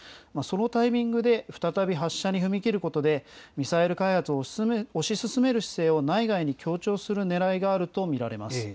そのタイミングで再び発射に踏み切ることで、ミサイル開発を推し進める姿勢を内外に強調するねらいがあると見られます。